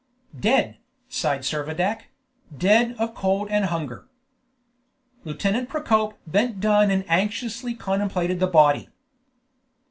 "Dead!" sighed Servadac; "dead of cold and hunger!" Lieutenant Procope bent down and anxiously contemplated the body.